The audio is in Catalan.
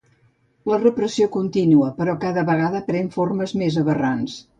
La repressió continua, però cada vegada pren formes més aberrants.